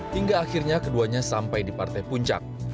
hingga akhirnya keduanya sampai di partai puncak